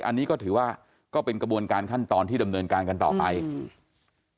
อันนี้ก็ถือว่าก็เป็นกระบวนการขั้นตอนที่ดำเนินการกันต่อไปอืม